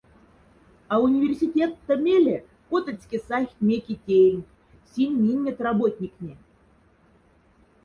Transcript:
А университетта меле котоцьке сайхть меки тееньк, синь миннет работникне.